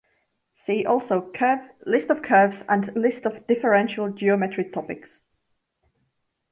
See also curve, list of curves, and list of differential geometry topics.